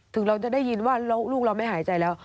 ถึงเราจะได้ยินว่าลูกเราไม่หายใจแล้ว